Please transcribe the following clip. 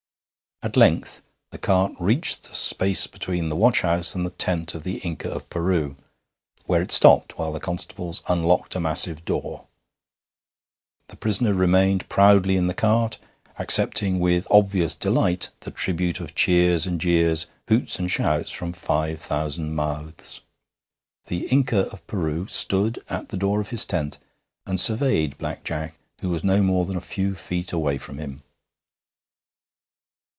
At length the cart reached the space between the watch house and the tent of the Inca of Peru, where it stopped while the constables unlocked a massive door; the prisoner remained proudly in the cart, accepting, with obvious delight, the tribute of cheers and jeers, hoots and shouts, from five thousand mouths. The Inca of Peru stood at the door of his tent and surveyed Black Jack, who was not more than a few feet away from him.